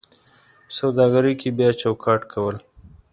په سوداګرۍ کې بیا چوکاټ کول: